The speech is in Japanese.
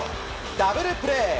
ダブルプレー。